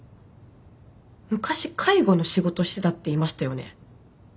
「昔介護の仕事してた」って言いましたよね。